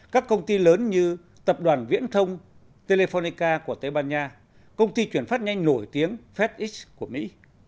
các công ty lớn như tập đoàn viễn thông telephoneca của tây ban nha công ty chuyển phát nhanh nổi tiếng fedex của mỹ